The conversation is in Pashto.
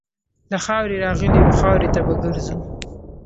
له خاورې راغلي یو، خاورې ته به ګرځو.